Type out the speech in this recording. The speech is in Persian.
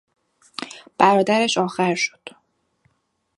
برادرش آخر شد.